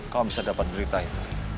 kalau bisa dapat berita itu